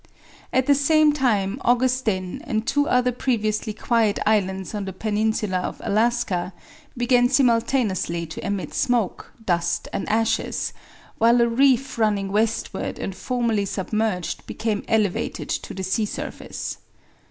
At the same time Augustin and two other previously quiet islands on the peninsula of Alaska began simultaneously to emit smoke, dust and ashes, while a reef running westward and formerly submerged became elevated to the sea surface.